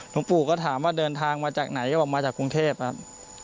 หลวงปู่ก็ถามว่าเดินทางมาจากไหนก็บอกมาจากกรุงเทพครับ